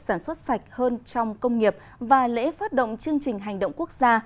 sản xuất sạch hơn trong công nghiệp và lễ phát động chương trình hành động quốc gia